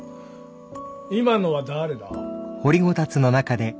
今のは誰だ？